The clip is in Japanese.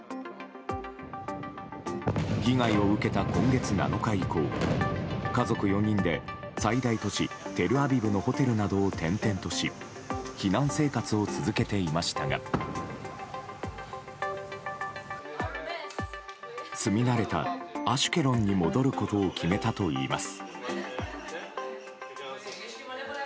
被害を受けた今月７日以降家族４人で最大都市テルアビブのホテルなどを転々とし避難生活を続けていましたが住み慣れたアシュケロンに戻ることを決めたといいます。